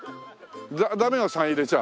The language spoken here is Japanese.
ダメよ「３」入れちゃ。